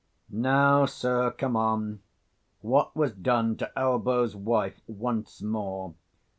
_ Now, sir, come on: what was done to Elbow's wife, once more?